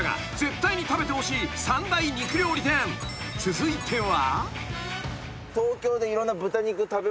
［続いては］